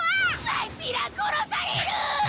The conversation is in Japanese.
わしら殺される！